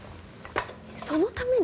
そのために？